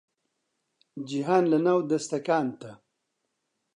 جیهان لەناو دەستەکانتە